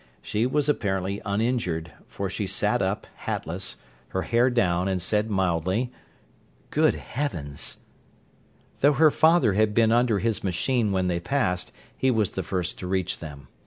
She was apparently uninjured, for she sat up, hatless, her hair down, and said mildly: "Good heavens!" Though her father had been under his machine when they passed, he was the first to reach them.